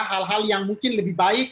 hal hal yang mungkin lebih baik